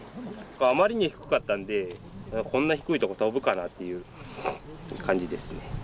あまりに低かったんで、こんな低いとこ飛ぶかなっていう感じですね。